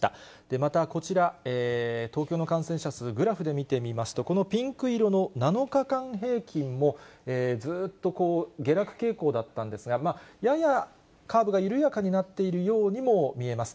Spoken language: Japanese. またこちら、東京の感染者数、グラフで見てみますと、このピンク色の７日間平均もずっと下落傾向だったんですが、ややカーブが緩やかになっているようにも見えます。